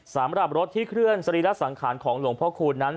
สำหรับรถที่เคลื่อนสรีระสังขารของหลวงพ่อคูณนั้น